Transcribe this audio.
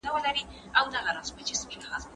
د عقل خبره تل پاته وي